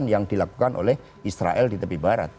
yang dilakukan oleh israel di tepi barat